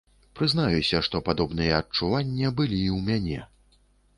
Прызнаюся, што падобныя адчуванне былі і ў мяне.